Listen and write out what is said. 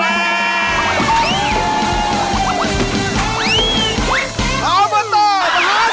อออบตมหาสนุก